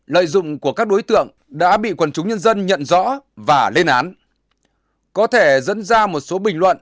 lợi dụng của các đối tượng đã bị quần chúng nhân dân nhận rõ và lên án có thể dẫn ra một số bình luận